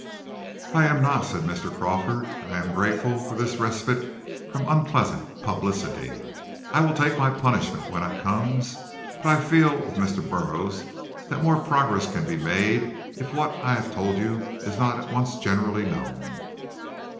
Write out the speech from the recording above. "I am not," said Mr. Crawford. "And I am grateful for this respite from unpleasant publicity. I will take my punishment when it comes, but I feel with Mr. Burroughs that more progress can be made if what I have told you is not at once generally known."